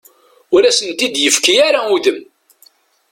Ur asent-d-yefki ara udem.